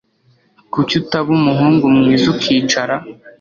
Kuki utaba umuhungu mwiza ukicara